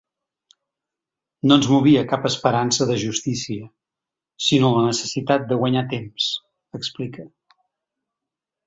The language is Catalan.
“No ens movia cap esperança de justícia, sinó la necessitat de guanyar temps”, explica.